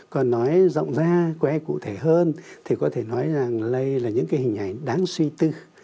còn nói rộng ra quen cụ thể hơn thì có thể nói rằng đây là những cái hình ảnh đáng suy tư